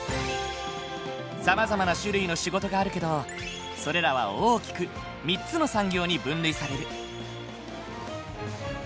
さまざまな種類の仕事があるけどそれらは大きく３つの産業に分類される。